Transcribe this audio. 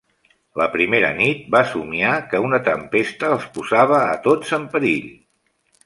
La primera nit va somiar que una tempesta els posava a tots en perill.